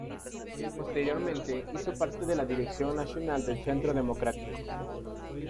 Posteriormente hizo parte de la Dirección Nacional del Centro Democrático.